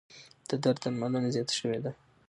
د درد درملنه زیاته شوې ده.